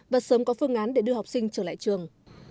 và sớm có phương án để đưa học sinh trở lại trường